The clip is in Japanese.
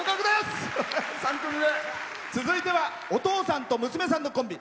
続いては、お父さんと中学３年生の娘さんのコンビ。